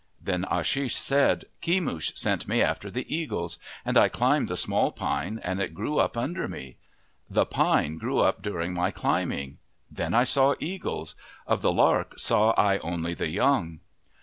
1 Then Ashish said, " Kemush sent me after the eagles. And I climbed the small pine and it grew up under me. The pine grew up during my climbing. Then I saw eagles. Of the lark saw I only the young."